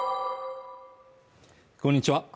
こんにちは。